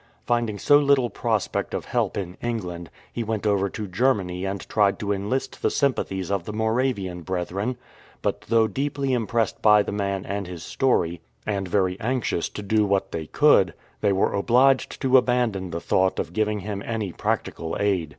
Finding so little prospect of help in England, he went over to Germany and tried to enlist the sympathies of the Moravian Brethren ; but though deeply impressed by the man and his story, and very anxious to do what they could, they were obliged to abandon the thought of giving him any practical aid.